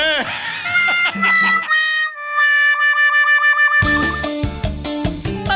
เห้